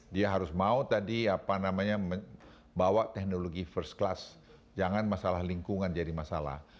dia harus mau tadi apa namanya bawa teknologi first class jangan masalah lingkungan jadi masalah